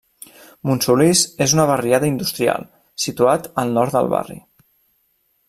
Montsolís és una barriada industrial, situat al Nord del barri.